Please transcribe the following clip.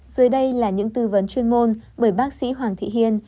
dưới đây là những tư vấn chuyên môn bởi bác sĩ hoàng thị hiên